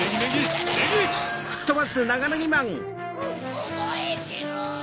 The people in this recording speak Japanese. おぼえてろ！